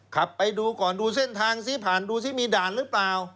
ขับไปดูก่อนดูเส้นทางซิผ่านดูซิมีด่านหรือเปล่า